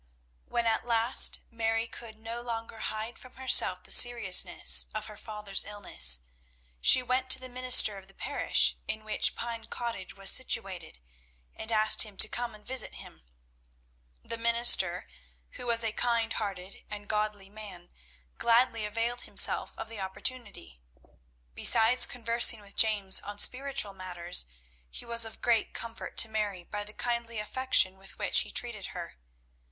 When at last Mary could no longer hide from herself the seriousness of her father's illness, she went to the minister of the parish in which Pine Cottage was situated and asked him to come and visit him. The minister, who was a kind hearted and godly man, gladly availed himself of the opportunity. Besides conversing with James on spiritual matters, he was of great comfort to Mary by the kindly affection with which he treated her.